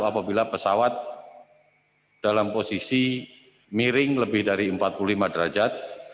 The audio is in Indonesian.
apabila pesawat dalam posisi miring lebih dari empat puluh lima derajat